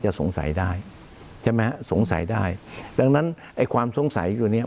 สงสัยได้ใช่ไหมฮะสงสัยได้ดังนั้นไอ้ความสงสัยตัวเนี้ย